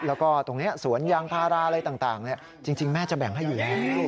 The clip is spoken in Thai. แล้วก็ตรงนี้สวนยางพาราอะไรต่างจริงแม่จะแบ่งให้อยู่แล้ว